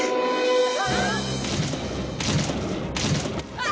あっ！